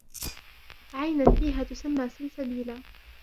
عينا فيها تسمى سلسبيلا